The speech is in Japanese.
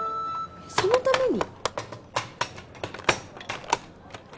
そのために？